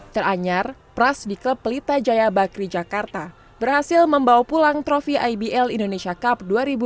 teranyar pras di klub pelita jaya bakri jakarta berhasil membawa pulang trofi ibl indonesia cup dua ribu dua puluh dua